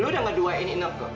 lo udah ngeduain ineke